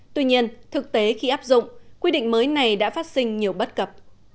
tuy nhiên thực tế khi áp dụng quy định mới này đã phát sinh nhiều bất cập